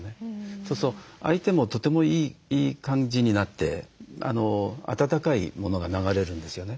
そうすると相手もとてもいい感じになって温かいものが流れるんですよね。